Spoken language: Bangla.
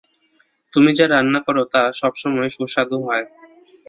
তুমি যা রান্না করো তা সব সময়ই সুস্বাদু হয়।